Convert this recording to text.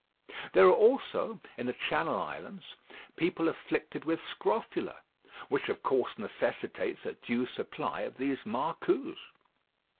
There are also, in the Channel Islands, people afflicted with scrofula; which of course necessitates a due supply of these marcous.